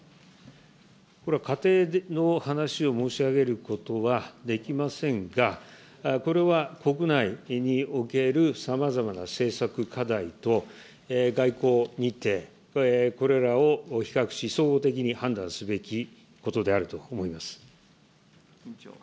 これ、仮定の話を申し上げることはできませんが、これは国内におけるさまざまな政策課題と、外交日程、これらを比較し、総合的に判断すべきことであると思います。